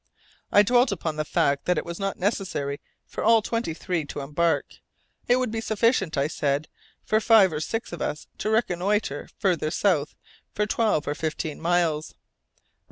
I dwelt upon the fact that it was not necessary for all twenty three to embark. It would be sufficient, I said, for five or six of us to reconnoitre further south for twelve or fifteen miles.